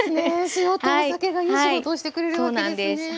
塩とお酒がいい仕事をしてくれるわけですね。